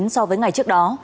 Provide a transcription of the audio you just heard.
so với ngày trước đó